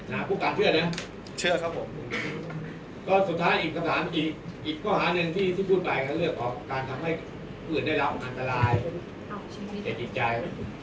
ผู้การเชื่อนะเชื่อครับผมก็สุดท้ายอีกคำถามอีกอีกข้อหาหนึ่งที่ที่พูดไปก็เรื่องของการทำให้ผู้อื่นได้รับอันตรายแก่จิตใจ